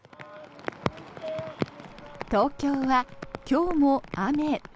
東京は、今日も雨。